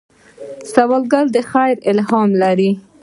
سوالګر د خیر الهام لري